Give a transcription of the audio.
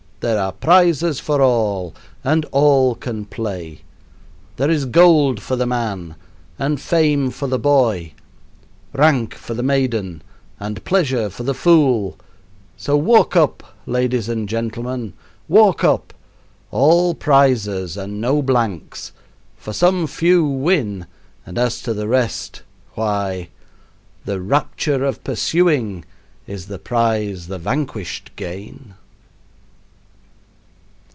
There are prizes for all and all can play. There is gold for the man and fame for the boy; rank for the maiden and pleasure for the fool. So walk up, ladies and gentlemen, walk up! all prizes and no blanks; for some few win, and as to the rest, why "The rapture of pursuing Is the prize the vanquished gain."